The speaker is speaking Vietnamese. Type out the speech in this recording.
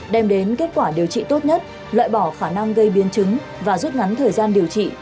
đem đến kết quả điều trị tốt nhất loại bỏ khả năng gây biến chứng và rút ngắn thời gian điều trị